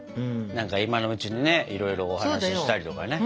何か今のうちにねいろいろお話ししたりとかね。